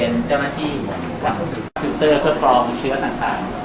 สวัสดีครับ